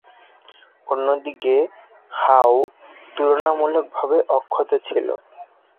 অন্যদিকে, হাও তুলনামূলকভাবে অক্ষত ছিল।